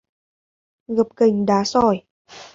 Gập ghềnh đá sỏi